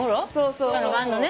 そういうのがあんのね。